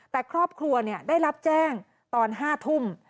แต่ครอบครัวได้รับแจ้งตอน๕ทุ่ม